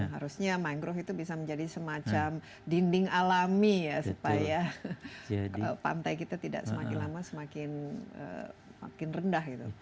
harusnya mangrove itu bisa menjadi semacam dinding alami ya supaya pantai kita tidak semakin lama semakin rendah gitu